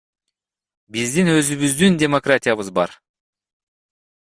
Биздин өзүбүздүн демократиябыз бар.